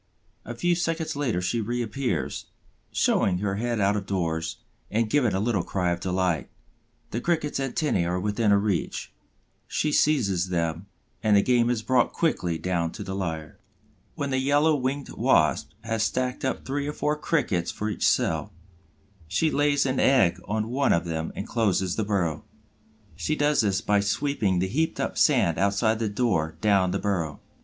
A few seconds later she reappears, showing her head out of doors and giving a little cry of delight. The Cricket's antennæ are within her reach; she seizes them, and the game is brought quickly down to the lair. When the Yellow winged Wasp has stacked up three or four Crickets for each cell, she lays an egg on one of them and closes the burrow. She does this by sweeping the heaped up sand outside the door down the burrow.